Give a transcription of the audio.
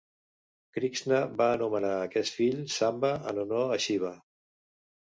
Krixna va anomenar a aquest fill Samba, en honor a Xiva.